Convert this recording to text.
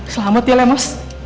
selamat ya lemos